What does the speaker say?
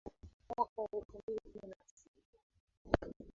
Mwaka wa elfu mbili kumi na sita